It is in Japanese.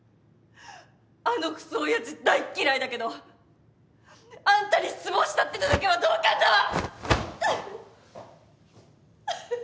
あのくそ親父大っ嫌いだけどあんたに失望したってのだけは同感だわ！